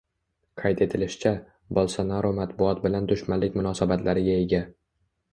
Qayd etilishicha, Bolsonaru matbuot bilan dushmanlik munosabatlariga ega